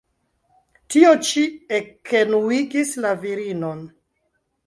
Tio ĉi ekenuigis la virinon.